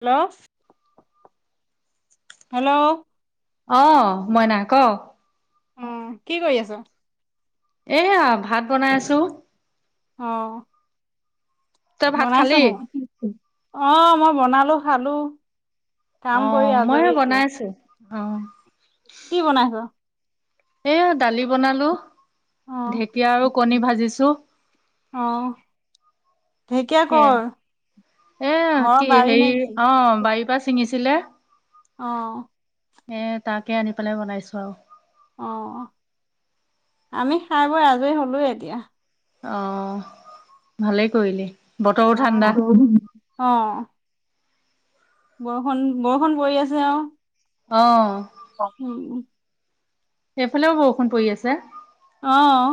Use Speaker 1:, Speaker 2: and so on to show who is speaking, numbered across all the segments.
Speaker 1: Hello? Hello?
Speaker 2: অ', মইনা ক
Speaker 1: অ', কি কৰি আছ?
Speaker 2: এয়া ভাত বনাই আছো।
Speaker 1: অ'।
Speaker 2: তই ভাত
Speaker 1: বনাইছ
Speaker 2: খালি
Speaker 1: হে, অ', মই বনালো, খালো। কাম কৰি
Speaker 2: অ', মই
Speaker 1: আজৰি এতিয়া।
Speaker 2: বনাই আছো, অ'।
Speaker 1: কি বনাইছ?
Speaker 2: এইয়া দালি বনালো,
Speaker 1: অ'
Speaker 2: ঢেকীয়া আৰু কণী ভাজিছো।
Speaker 1: অ'। ঢেকীয়া কৰ
Speaker 2: [unintelligible] এ
Speaker 1: ঘৰৰ
Speaker 2: কি
Speaker 1: বাৰী নে
Speaker 2: হেৰি
Speaker 1: কি?
Speaker 2: অ, বাৰীৰ পৰা ছিঙিছিলে।
Speaker 1: অ'।
Speaker 2: এ, তাকে আনি পেলাই বনাইছো আৰু।
Speaker 1: অ', আমি খাই বৈ আজৰি হলোৱেই এতিয়া।
Speaker 2: অ', ভালেই কৰিলি। বতৰো ঠাণ্ডা
Speaker 1: অ', অ'। বৰষুণ, বৰষুণ পৰি আছে আৰু।
Speaker 2: অ'।
Speaker 1: [unintelligible]
Speaker 2: সেইফালেও বৰষুণ পৰি আছে।
Speaker 1: অহ।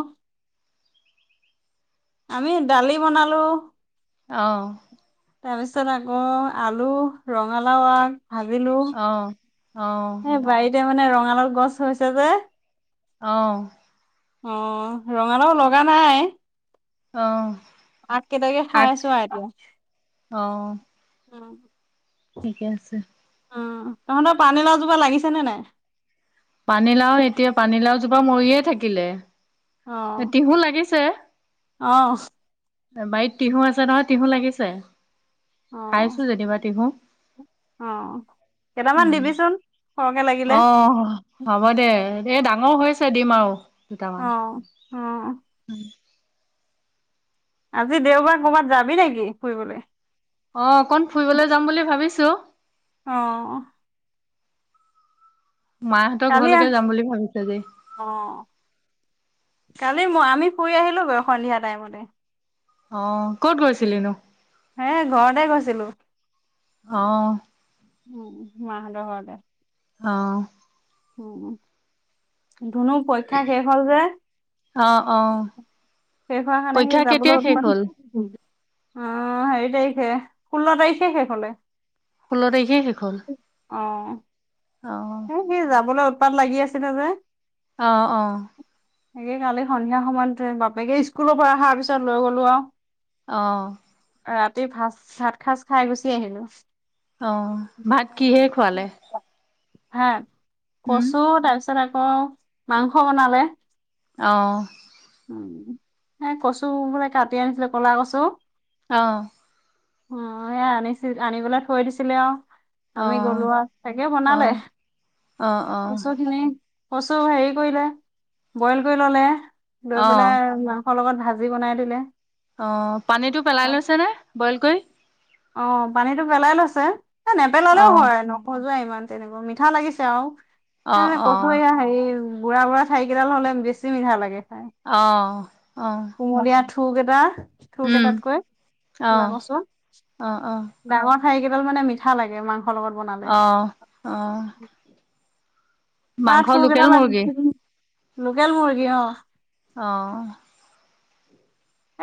Speaker 1: আমি দালি বনালো।
Speaker 2: অহ।
Speaker 1: তাৰপিছত আকৌ আলু ৰঙালাও আগ ভাজিলো,
Speaker 2: অ অ
Speaker 1: এ বাৰীতে মানে ৰঙালাউ গছ হৈছে যে
Speaker 2: অ'
Speaker 1: অ', ৰঙালাউ লগা নাই।
Speaker 2: অ'।
Speaker 1: আগ কেইটাকে খাই
Speaker 2: আগ
Speaker 1: আছোঁ আৰু এতিয়া।
Speaker 2: অ ঠিকে আছে।
Speaker 1: উম, তহঁতৰ পানীলাউ জোপা লাগিছেনে নাই?
Speaker 2: পানীলাউ এতিয়া পানীলাউ জোপা মৰিয়ে থাকিলে।
Speaker 1: অ'।
Speaker 2: ভোল লাগিছে।
Speaker 1: অ'।
Speaker 2: বাৰিত তিহোঁ আছে নহয় তিহোঁ লাগিছে
Speaker 1: অ'
Speaker 2: খাইছোঁ যেনিবা তিহোঁ।
Speaker 1: অ', কেটামান দিবিচোন সৰহকে লাগিলে।
Speaker 2: অহ। হ'ব দে এই ডাঙৰ হৈছে দিম আৰু দুটামান।
Speaker 1: অ' অ'।
Speaker 2: উম।
Speaker 1: আজি দেওবাৰ ক'বাত যাবি নেকি ফুৰিবলে?
Speaker 2: অ', অকন ফুৰিবলৈ যাম বুলি ভাবিছোঁ।
Speaker 1: অ'।
Speaker 2: মাহঁতৰ
Speaker 1: কালি আহ
Speaker 2: ঘৰলৈকে যাম বুলি ভাবিছোঁ আজি।
Speaker 1: অ', কালি মই আমি ফুৰি আহিলোগৈ সন্ধিয়া টাইমতে।
Speaker 2: অ', ক'ত গৈছিলিনো?
Speaker 1: হে ঘৰতে গৈছিলোঁ।
Speaker 2: অ'।
Speaker 1: উম, মাহঁতৰ ঘৰতে।
Speaker 2: অ'।
Speaker 1: উম, ধুনুৰ পৰীক্ষা শেষ হ'ল যে।
Speaker 2: অ অ
Speaker 1: শেষ হোৱা কাৰনে
Speaker 2: পৰীক্ষা
Speaker 1: সি
Speaker 2: কেতিয়া
Speaker 1: যাবলৈ
Speaker 2: শেষ
Speaker 1: উৎপাত
Speaker 2: হ'ল?
Speaker 1: [unintelligible] অ', হেৰি তাৰিখে ষোল্ল তাৰিখে শেষ হ'লে।
Speaker 2: ষোল্ল তাৰিখে শেষ হ'ল।
Speaker 1: অ'।
Speaker 2: অ'।
Speaker 1: এই সি যাবলৈ উৎপাত লাগি আছিলে যে।
Speaker 2: অ', অ'।
Speaker 1: হেৰি কালি সন্ধিয়া সময়তে বাপেকে ইস্কুলৰ পৰা আহাৰ পিছত লৈ গ'লো আৰু
Speaker 2: অ'।
Speaker 1: ৰাতি ভাত ভাত সাঁজ খাই গুচি আহিলোঁ।
Speaker 2: অ', ভাত কিহেৰে খোৱালে?
Speaker 1: ভাত,
Speaker 2: উম
Speaker 1: কচু তাৰপিছত আকৌ মাংস বনালে।
Speaker 2: অ'।
Speaker 1: উম, এই কচু বোলে কাটি আনিছিলে ক'লা কচু
Speaker 2: অ'।
Speaker 1: উম, এয়া আনিছিল আনি পেলাই থৈ দিছিলে আৰু। আমি গ'লো
Speaker 2: অ',
Speaker 1: আৰু তাকে বনালে
Speaker 2: অ', অ', অ',
Speaker 1: কচুখিনি কচু হেৰি কৰিলে বইল কৰি ল'লে, লৈ পেলাই
Speaker 2: অ',
Speaker 1: আৰু তৰ লগত ভাজি বনাই দিলে।
Speaker 2: অ' পানীটো পেলাই লৈছে নে বইল কৰি?
Speaker 1: অ' পানীতটো পেলাই লৈছে। এ নেপেল
Speaker 2: অ'।
Speaker 1: নখজুৱাই ইমান তেনেকুৱা, মিঠা লাগিছে আৰু
Speaker 2: অ',
Speaker 1: সে কচু
Speaker 2: অ',
Speaker 1: এইয়া হেৰি বুঢ়া বুঢ়া ঠাৰি কেইডাল হ'লে বেছি মিঠা লাগে খাই।
Speaker 2: অ', অ'।
Speaker 1: কুমলিয়া থোৰ কেইটা থোৰ
Speaker 2: উম,
Speaker 1: কেইটাতকৈ ক'লা
Speaker 2: অ',
Speaker 1: কচু
Speaker 2: অ', অ',
Speaker 1: ডাঙৰঠাৰি কেইদাল মানে মিঠা লাগে। মাংস
Speaker 2: অ', অ'। মাংস
Speaker 1: তাৰ থোৰ
Speaker 2: লোকেল
Speaker 1: আনি
Speaker 2: মুৰ্গী?
Speaker 1: থৈ দিম, লোকেল মুৰ্গী অ'।
Speaker 2: অ'।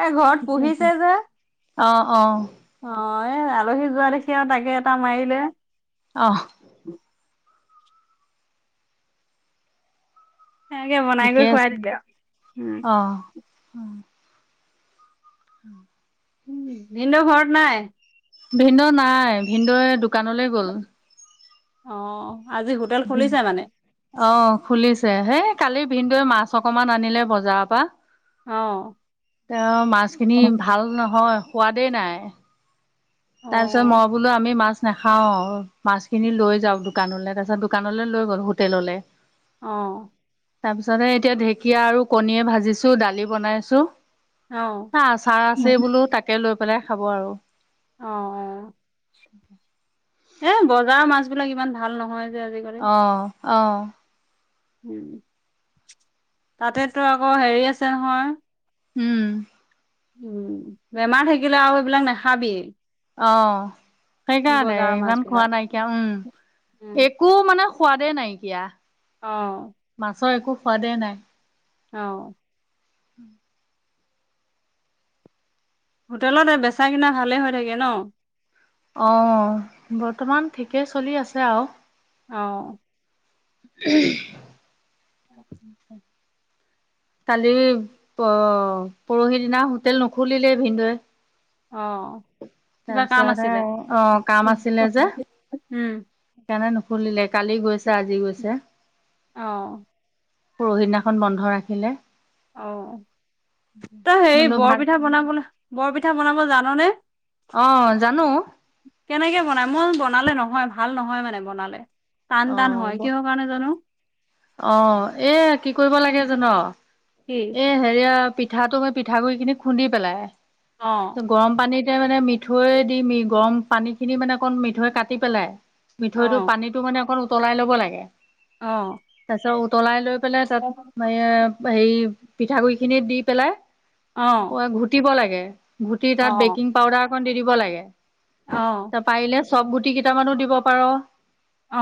Speaker 1: এ ঘৰত
Speaker 2: ঠিকে আছে।
Speaker 1: পুহিছে যে।
Speaker 2: অ', অ',
Speaker 1: অ' এই আলহী যোৱা দেখি আৰু তাকে এটা মাৰিলে।
Speaker 2: অহ'।
Speaker 1: সেনেকে বনাই
Speaker 2: ঠিকে
Speaker 1: কৰি খুৱাই
Speaker 2: আছে
Speaker 1: দিলে আৰু উম
Speaker 2: অ'। উম
Speaker 1: ভিন্দেউ ঘৰত নাই?
Speaker 2: ভিন্দেউ নাই ভিন্দেউ দোকানলৈ গ'ল।
Speaker 1: অ' আজি হোটেল খুলিছে মানে?
Speaker 2: অ' খুলিছে। হেই কালি ভিন্দেউয়ে মাছ অকমান আনিলে বজাৰৰ পৰা।
Speaker 1: অ'।
Speaker 2: তেওঁ মাছখিনি
Speaker 1: অ
Speaker 2: ভাল নহয় সোৱাদেই নাই।
Speaker 1: অ
Speaker 2: তাৰ পিছত মই বোলো আমি মাছ নাখাওঁ মাছখিনি লৈ যাও দোকানলৈ। তাৰ পিছত কানলৈ লৈ গ'ল হোটেললৈ।
Speaker 1: অ'।
Speaker 2: তাৰ পিছত এতিয়া ঢেঁকীয়া আৰু কণীয়ে ভাজিছো দালি বনাইছো
Speaker 1: অ
Speaker 2: চা আচাহ আছে বোলো তাকে লৈ পেলাই খাব আৰু।
Speaker 1: অ', এই বজাৰৰ মাছ বিলাক ইমান ভাল নহয়। যে আজিকালি।
Speaker 2: অ', অ'।
Speaker 1: তাতেতো আকৌ হেৰি আছে নহয়।
Speaker 2: উম।
Speaker 1: উম, বেমাৰ থাকিলে আৰু এইবিলাক নাখাবি।
Speaker 2: অ' সেইকাৰণে
Speaker 1: মাছ
Speaker 2: ইমান খোৱা
Speaker 1: বিলাক।
Speaker 2: নাইকিয়া উম। এক কো মানে সোৱাদে নাইকিয়া।
Speaker 1: অঁ।
Speaker 2: মাছৰ একো সোৱাদেই নাই।
Speaker 1: অ'।
Speaker 2: উম [unintelligible]
Speaker 1: হোটেলত এই বেচা কিনা ভালে হৈ থাকে ন?
Speaker 2: অ' বৰ্তমান ঠিকেই চলি আছে আৰু।
Speaker 1: অ'।
Speaker 2: [unintelligible] কালি অ' পৰহি দিনা হোটেল নুখুলিলেই ভিন্দেউৱে।
Speaker 1: অ' কিবা কাম
Speaker 2: তাৰপিছতহে
Speaker 1: আছিলে?
Speaker 2: অ কাম আছিলে যে
Speaker 1: উম।
Speaker 2: সেইকাৰণে নুখুলিলে কালি গৈছে আজি গৈছে
Speaker 1: অ
Speaker 2: পৰহিদিনাখন বন্ধ ৰাখিলে
Speaker 1: অ তই হে
Speaker 2: বোলো ভাল
Speaker 1: বৰপিঠা বনাবলৈ বৰপিঠা বনাব জানানে
Speaker 2: অ জানো
Speaker 1: কেনেকে বনাই মই বনালে নহয় ভাল নহয় মানে বনালে টান টান হয়
Speaker 2: অ
Speaker 1: কিয় কাৰ নো জানো
Speaker 2: অ এ কি কৰিব লাগে জান
Speaker 1: কি
Speaker 2: হেৰিয়া পিঠাটো মই পিঠাগুৰি খিনি খুন্দি পেলাই
Speaker 1: অ
Speaker 2: গৰম পানীতে মানে মিঠৈ দি গৰম পানীখিনি মানে অকণ মিঠৈ কাটি পেলাই
Speaker 1: অ
Speaker 2: মিঠৈটো পানীটো মানে অকণ উতলাই ল'ব লাগে
Speaker 1: অ
Speaker 2: তাৰ পিছত উতলাই লৈ পেলাই
Speaker 1: অ
Speaker 2: তাত ম হেৰি পিঠাগুৰি খিনি দি পেলাই ঘুটিব লাগে ঘুটি তাত
Speaker 1: অ
Speaker 2: বেকিং পাউদাৰ একন দি দিব লাগে
Speaker 1: অ
Speaker 2: ত পাৰিলে চফ গুটি কেইটামানো দিব পাৰ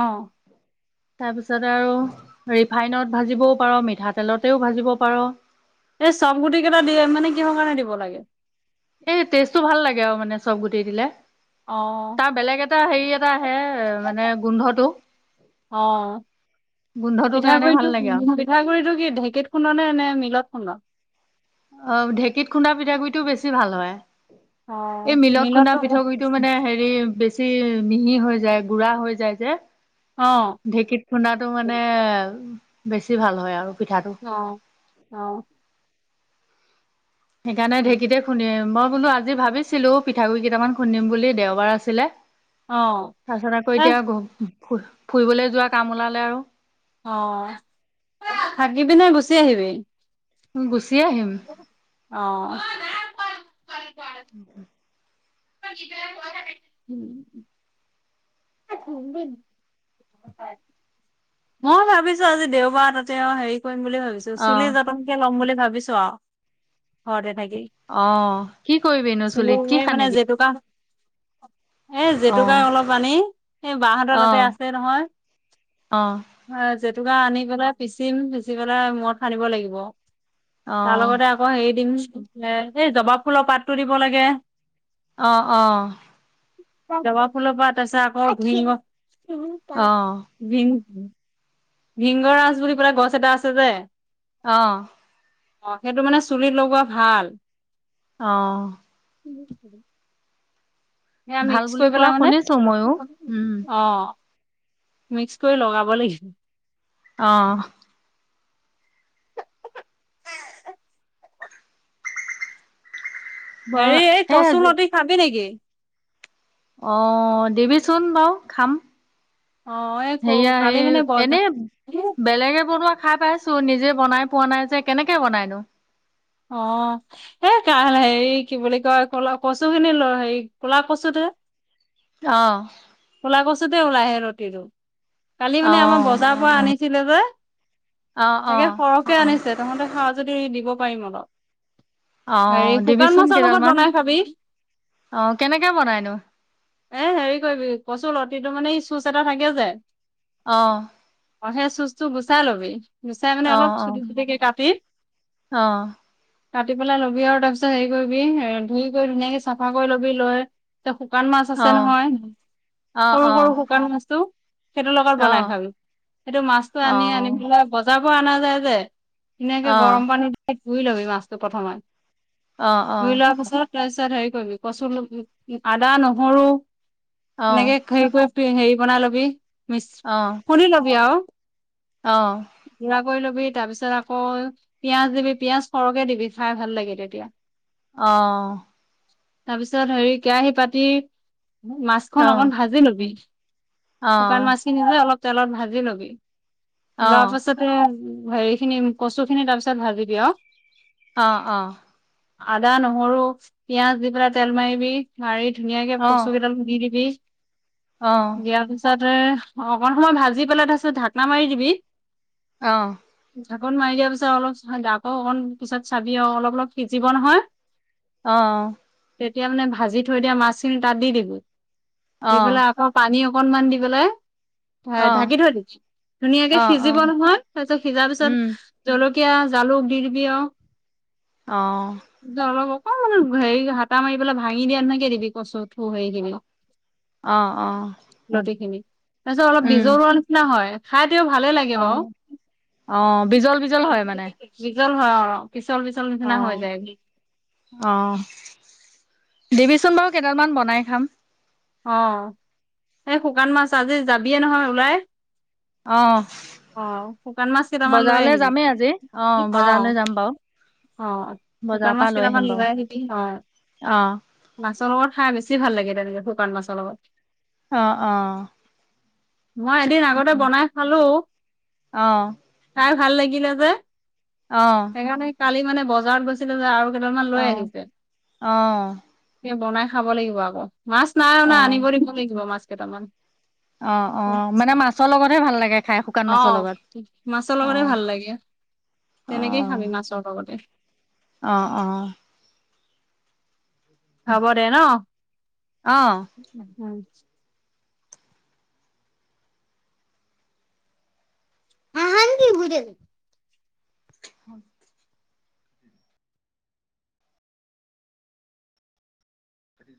Speaker 1: অঁ
Speaker 2: তাৰ পিছতে আৰু ৰিফাইনত ভাজিবও পাৰো মিঠাতেলতেও ভাজিব পাৰো
Speaker 1: এই চব গুটি কেইটা দি মানে কিহৰ কাৰণে দিব লাগে
Speaker 2: এই টেষ্টটো ভাল লাগে আৰু মানে চব গুটি দিলে
Speaker 1: অ
Speaker 2: তাৰ বেলেগ এটা হেৰি এটা আহে মানে গোন্ধটো
Speaker 1: অ
Speaker 2: গোন্ধটোৰ কাৰণে ভাল
Speaker 1: পিঠাগুড়িটো
Speaker 2: লাগে আৰু
Speaker 1: পিঠাগুৰিটো কি, ঢেকিত খুন্দনে নে, মিলত খুন্দ?
Speaker 2: অ', ঢেকীত খুন্দা পিঠাগুৰিটোও, বেছি ভাল হয়।
Speaker 1: অ
Speaker 2: এই মিলত খুন্দা
Speaker 1: মিলততো
Speaker 2: পৃঠাগুৰিতটো মানে, হেৰি বেছি বেছি মিহি হৈ যায়, গুৰা হৈ যায় যে
Speaker 1: অ',
Speaker 2: ঢেকীত খুন্দাটো মানে, বেছি ভাল হয় আৰু পিঠাটো।
Speaker 1: অ',
Speaker 2: সেইকাৰণে, ঢেকীতে খুন্দিম মই, বোলো আজি ভাবিছিলো পিঠাগুৰি কেইটামান খুন্দম বুলি দেওবাৰ আছিলে।
Speaker 1: অ
Speaker 2: তাৰপিছত, আকৌ
Speaker 1: এ
Speaker 2: এতিয়া ফ ফুৰিবলৈ যোৱা কাম ওলালে আৰু
Speaker 1: অ', থাকিবি নে, গুচি আহিবি।
Speaker 2: গুচি আহিম।
Speaker 1: অ',
Speaker 2: উম,
Speaker 1: [unintelligible] মই ভাবিছো আজি দেওবাৰ তাতে, আৰু হেৰি কৰিম বুলি ভাবিছো চুলি
Speaker 2: অ',
Speaker 1: যতন ল'ম বুলি ভাবিছো আৰু, ঘৰ তে থাকি।
Speaker 2: অ', কি কৰিবি নো,
Speaker 1: চুলি
Speaker 2: চুলিত কি
Speaker 1: এই
Speaker 2: সানিবি।
Speaker 1: এই,
Speaker 2: অ',
Speaker 1: জেতুকাই অলপ আনি, ই বাহঁতৰ তাতে
Speaker 2: অ',
Speaker 1: আছে নহয়।
Speaker 2: অ',
Speaker 1: জেতুকা আনি পেলাই পিচিম, পিচি পেলাই মুৰত সানিব লাগিব।
Speaker 2: অ',
Speaker 1: তাৰ লগতে,
Speaker 2: অ',
Speaker 1: [unintelligible] হেৰি দিম এই জবা ফুলৰ পাতো দিব লাগে।
Speaker 2: অ'।
Speaker 1: জবা ফুলৰ পাত তাৰপাছত আছে আকৌ ভীমৰ,
Speaker 2: অ',
Speaker 1: ভিম উম। ভিংগ ৰাজ বুলি পেলাই গছ এটা আছে যে
Speaker 2: অ'।
Speaker 1: অ' সেইটো মানে চুলিত লগোৱা ভাল।
Speaker 2: অ'।
Speaker 1: [unintelligible] সেয়া
Speaker 2: ভাল
Speaker 1: মিক্স
Speaker 2: বুলি
Speaker 1: কৰি
Speaker 2: কোৱা
Speaker 1: পেলাই মানে,
Speaker 2: শুনিছো ময়ো উম
Speaker 1: অ'। মিক্স কৰি লগাব লাগি
Speaker 2: অ'। ব
Speaker 1: হেৰি এই
Speaker 2: এ
Speaker 1: কচু লতি খাবি নেকি?
Speaker 2: অ', দিবিচোন বাৰু খাম।
Speaker 1: অ', এই ক
Speaker 2: সেয়া হেই
Speaker 1: কালি মানে বজাৰ
Speaker 2: এনে বেলেগে বনোৱা খাই পাই ছোঁ নিজে বনাই পোৱা নাই যে কেনেকে বনাইনো?
Speaker 1: অ'। হেই কা হেৰি কি বুলি কয় কলা কচুখিনি লৈ হেৰি কলা কচুতে
Speaker 2: অ'।
Speaker 1: কলা কচুতে ওলাই হেই লতিটো। কালি মানে আমাৰ
Speaker 2: অ'
Speaker 1: বজাৰৰ পৰা আনি ছিলে যে,
Speaker 2: অ'
Speaker 1: তাকে
Speaker 2: অ'
Speaker 1: সৰহকে আনিছে তহঁতে খাওঁ যদি দিব পাৰিম অলপ।
Speaker 2: অ'
Speaker 1: হেৰি শুকান
Speaker 2: দিবিচোন
Speaker 1: মাছৰ লগত
Speaker 2: কেইডালমান
Speaker 1: বনাই খাবি।
Speaker 2: অ' কেনেকে বনাইনো
Speaker 1: এ, হেৰি কৰিবি কচু লতিটো মানে ই চুচ এটা থাকে যে
Speaker 2: অ'।
Speaker 1: অ' সেই চুচটো গুচাই লবি গুচাই মানে
Speaker 2: অ'
Speaker 1: অলপ
Speaker 2: অ'
Speaker 1: চুটি, চুটিকে কাটি
Speaker 2: অ'।
Speaker 1: কাটি পেলাই ল'বি আৰু তাৰপিছত হেৰি কৰিবি এ, ধুই কৰি ধুনীয়াকে চাফা কৰি লৈ তে শুকান মাছ
Speaker 2: অ'
Speaker 1: আছে নহয়
Speaker 2: অ' অ'
Speaker 1: সৰু সৰু শুকান মাছটো সেইটোৰ লগত
Speaker 2: অ'
Speaker 1: বনাই
Speaker 2: অ'
Speaker 1: খাবি। সেইটো মাছটো
Speaker 2: অ'
Speaker 1: আনি, আনি পেলাই বজাৰৰ পৰা আনা যায় যে, ধুনীয়াকে
Speaker 2: অ' অ'
Speaker 1: গৰম পানী দি ধুই লবি মাছটো প্ৰথমে।
Speaker 2: অ' অ'
Speaker 1: ধুইত লোৱাৰ পাছত তাৰপিছত হেৰি কৰিবি কচু আদা, নহৰু এনেকে হেৰি কৰি হেৰি বনাই লবি মিছ, খুন্দি লবি আৰু।
Speaker 2: অ'।
Speaker 1: গুৰা কৰি লবি তাৰপিছত আকৌ পিয়াজ দিবি পিযাজ সৰহকে দিবি খাই ভাল লাগে তেতিয়া।
Speaker 2: অ'।
Speaker 1: তাৰপিছত হেৰি কেৰাহী পাতি মাছখন
Speaker 2: অ'
Speaker 1: অকন
Speaker 2: অ'
Speaker 1: ভাজি লবি।
Speaker 2: অ'
Speaker 1: শুকান মাছখিনি যে অলপ তেলত ভাজি লবি, লোৱা
Speaker 2: উম,
Speaker 1: পিছত এ, হেৰিখিনি কচুখিনি তাৰপিছত ভাজিবি আৰু।
Speaker 2: অ', অ'।
Speaker 1: আদা, নহৰু, পিয়াজ দি পেলাই তেল মাৰিবি। মাৰি ধুনীয়াকে কচু কেইডাল দি দিবি।
Speaker 2: অ'।
Speaker 1: দিয়াৰ পিছতে, অকণ সময় ভাজি পেলাই তাৰপিছত ঢাকনা মাৰি দিবি।
Speaker 2: অ'।
Speaker 1: ঢাকোন মাৰি দিয়া পিছত অলপ [unintelligible] অ অকণ পিছত চাবি আৰু অলপ অলপ সিজিব নহয়
Speaker 2: অ
Speaker 1: তেতিয়া মানে ভাজি থৈ দিয়া মাছখিনি তাত দি দিব দি পেলাই অ পানী অকনমান দি পেলাই ঢাকি থৈ দিবি ধুনীয়াকে সিজিব নহয় তাৰপিছত সিজাৰ পিছত জলকীয়া জালুক দি দিবি আৰু
Speaker 2: অ
Speaker 1: অলপ অকণমান হেৰি হাতা মাৰি পেলাই ভাঙি দিয়া নিচিনাকে দিবি কচু থু হেৰি খিনি [unintelligible]
Speaker 2: অ অ
Speaker 1: নদী খিনি তাৰপিছত অলপ বীজলোৱা নিচিনা হয় খাই তেওঁ ভালেই লাগে বাউ
Speaker 2: বিজল বিজল হয় মানে
Speaker 1: পিচল হয় অ পিছল পিছল নিচিনা হৈ যায়গে
Speaker 2: অঁ দিবিচোন বাৰু কেইডালমান বনাই খাম
Speaker 1: অ সেই শুকান মাছ আজি যাবিয়ে নহয় ওলাই
Speaker 2: অঁ',
Speaker 1: অ', শুকান মাছ কেইটামান লৈ আহিবি
Speaker 2: আজি
Speaker 1: অ',
Speaker 2: বজাৰলৈ যাম বাৰু
Speaker 1: অ', শুকান
Speaker 2: বজাৰৰ পৰা
Speaker 1: মাছ কেইটামান
Speaker 2: আহিম বাৰু
Speaker 1: লৈ আহিবি অ',
Speaker 2: অ',
Speaker 1: মাছৰ লগত খাই বেছি ভাল লাগে তেনেকে শুকান মাছৰ লগত।
Speaker 2: অ', অ',
Speaker 1: মই এদিন আগতে বনাই খালোঁ।
Speaker 2: অ',
Speaker 1: খাই ভাল লাগিলে যে।
Speaker 2: অ',
Speaker 1: সেইকাৰণে কালি মানে বজাৰত গৈছিলে যে আৰু কেইদালমান
Speaker 2: অ',
Speaker 1: লৈ আহিছে।
Speaker 2: অ',
Speaker 1: সেই বনাই খাব লাগিব আকৌ মাছ নাই অনা
Speaker 2: অ',
Speaker 1: আনিব দিব লাগিব মাছ কেইটামান।
Speaker 2: অ', অ', মানে মাছৰ লগতহে ভাল লাগে খাই শুক
Speaker 1: অ', মাছৰ লগতে ভাল লাগে তেনেকেই খাবি মাছৰ লগতে।
Speaker 2: অঁ', অঁ',
Speaker 1: হব দে ন'?
Speaker 2: অ'।
Speaker 1: উম, [unintelligible]
Speaker 2: হয়